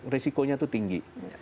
risikonya itu tinggi